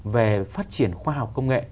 về phát triển khoa học công nghệ